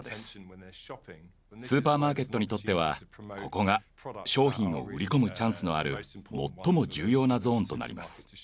スーパーマーケットにとってはここが商品を売り込むチャンスのある最も重要なゾーンとなります。